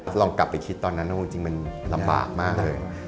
ให้ลองกลับคิดตอนนั้นด่วจิงเป็นลำบากมากเลย